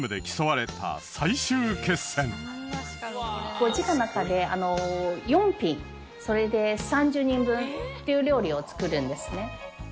５時間の中で４品それで３０人分っていう料理を作るんですね。